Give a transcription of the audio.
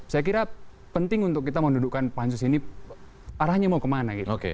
saya kira penting untuk kita mendudukkan pansus ini arahnya mau kemana gitu